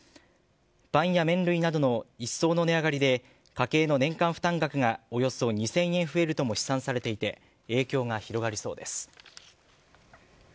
パンや麺類などのいっそうの値上がりで家計の年間負担額がおよそ２０００円増えるとも試算されていて影響が広がりそうです。